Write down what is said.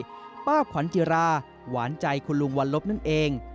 ไม่ใช่คนอื่นคนไกลป้าขวัญจิราหวานใจคุณลุงวันลบนั่นเอง